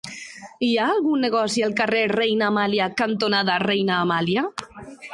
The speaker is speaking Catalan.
Hi ha algun negoci al carrer Reina Amàlia cantonada Reina Amàlia?